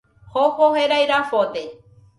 Jofo jerai rafode